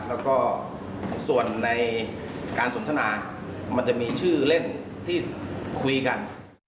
แล้วก็ส่วนในการสนทนามันจะมีชื่อเล่นที่คุยกัน